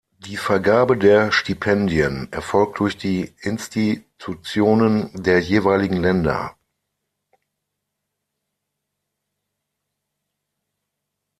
Die Vergabe der Stipendien erfolgt durch die Institutionen der jeweiligen Länder.